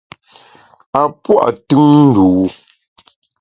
A pua’ tùn ndû.